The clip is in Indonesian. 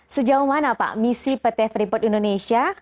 sejauh mana pak misi pt freeport indonesia